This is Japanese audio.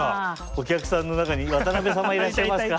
お客さんの中に渡辺様いらっしゃいますか？